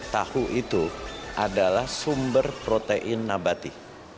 tahu itu adalah sumber protein nabati